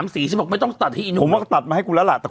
พี่ต้อยใช่ตัดชุดให้เยอะเลยอ่ะ